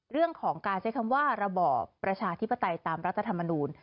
เรื่องของการใช้คำว่าระบอบประชาธิปไตยตามรัฐธรรมนูล